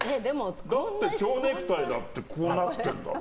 だって蝶ネクタイだってこうなってるだろ？